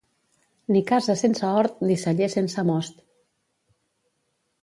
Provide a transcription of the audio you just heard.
Ni casa sense hort ni celler sense most.